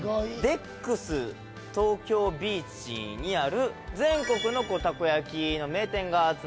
デックス東京ビーチにある全国のたこ焼きの名店が集まったフードテーマパーク。